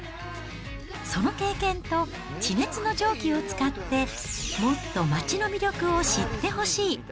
その経験と、地熱の蒸気を使って、もっと町の魅力を知ってほしい。